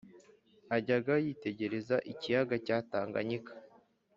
ajyaga yitegereza ikiyaga cya tanganyika